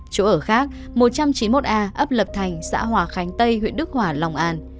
chỗ ở khác một trăm chín mươi một a ấp lập thành xã hòa khánh tây huyện đức hòa lòng an